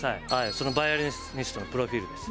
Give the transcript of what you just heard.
そのバイオリニストのプロフィールです。